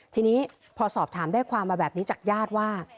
ทีนี้พอสอบถามได้ความมาแบบนี้จากญาติว่า